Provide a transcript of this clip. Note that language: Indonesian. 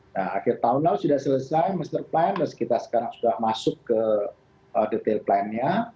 nah akhir tahun lalu sudah selesai master planness kita sekarang sudah masuk ke detail plan nya